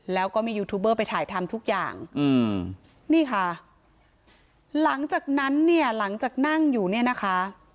แล้วก็มียูทูบเบอร์ไปถ่ายทำทุกอย่างอืมนี่ค่ะหลังจากนั้นเนี่ยหลังจากนั่งอยู่เนี่ยนะคะ